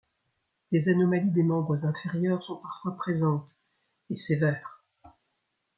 Des anomalies des membres inférieurs sont parfois présentes et sévères.